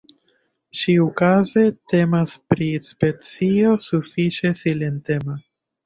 Ĉiukaze temas pri specio sufiĉe silentema.